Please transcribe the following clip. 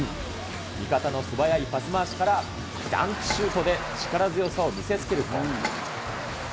味方の素早いパス回しからダンクシュートで力強さを見せつけると。